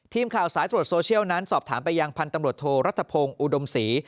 ทีมข่าวสายตรวจโซเชียลนั้นสอบถามไปยังพันธุ์ตำรวจโทรรัฐพงศ์อุดมศรี